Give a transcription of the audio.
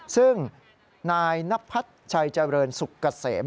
ซึ่งนายนพัฒน์ชัยเจริญสุกเกษม